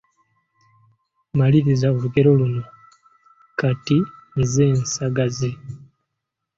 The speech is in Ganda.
Maliriza olugero luno: “…., kati ze nsagazi”.